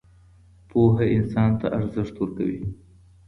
پوهه انسان ته ارزښت ورکوي.